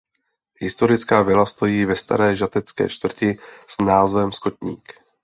Historická vila stojí ve staré žatecké čtvrti s názvem Skotník.